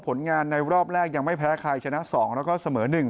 ผลงานในรอบแรกยังไม่แพ้ใครชนะ๒แล้วก็เสมอ๑